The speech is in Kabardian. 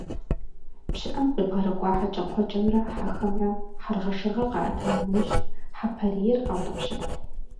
ПщыӀэм къебгъэрыкӀуа хьэкӀэкхъуэкӀэмрэ хьэхэмрэ хьэргъэшыргъэ къаӀэта нэужь, хьэпарийр къаутӀыпщырт.